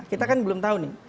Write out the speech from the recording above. kita kan belum tahu nih